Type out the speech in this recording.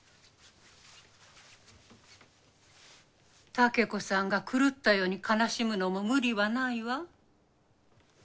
竹子さんが狂ったように悲しむのも無理はないわ。